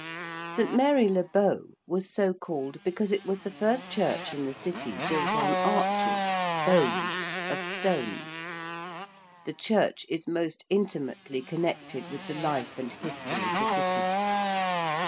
St. Mary le Bow, was so called because it was the first church in the City built on arches bows of stone. The church is most intimately connected with the life and history of the City.